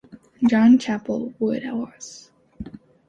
John Chappel Woodhouse.